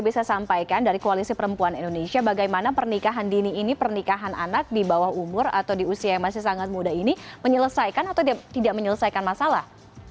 bisa sampaikan dari koalisi perempuan indonesia bagaimana pernikahan dini ini pernikahan anak di bawah umur atau di usia yang masih sangat muda ini menyelesaikan atau tidak menyelesaikan masalah